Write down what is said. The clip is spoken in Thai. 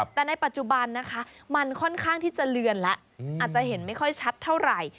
แต่ในปัจจุบันนะคะมันค่อนข้างที่จะเลือนแล้วอาจจะเห็นไม่ค่อยชัดเท่าไหร่